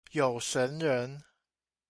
有神人